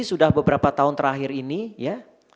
sudah beberapa tahun terakhir ini ya